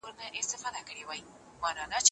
محتوا ښیي چي اثر تخلیقي دئ که تحقیقي.